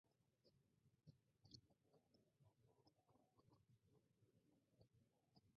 The storm shattered multiple pressure records across parts of the Pacific Northwest.